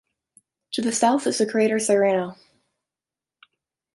To the south is the crater Cyrano.